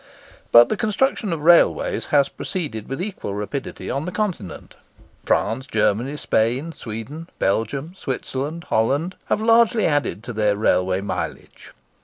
But the construction of railways has proceeded with equal rapidity on the Continent. France, Germany, Spain, Sweden, Belgium, Switzerland, Holland, have largely added to their railway mileage.